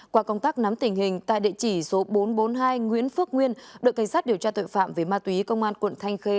qua công tác nắm tình hình tại địa chỉ số bốn trăm bốn mươi hai nguyễn phước nguyên đội cảnh sát điều tra tội phạm về ma túy công an quận thanh khê